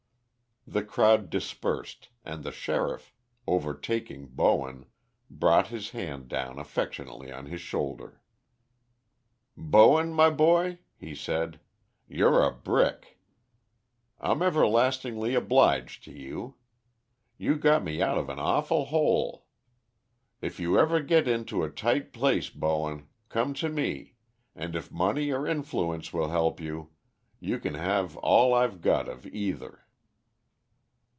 The crowd dispersed, and the sheriff, overtaking Bowen, brought his hand down affectionately on his shoulder. "Bowen, my boy," he said, "you're a brick. I'm everlastingly obliged to you. You got me out of an awful hole. If you ever get into a tight place, Bowen, come to me, and if money or influence will help you, you can have all I've got of either."